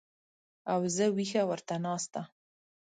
او زه وېښه ورته ناسته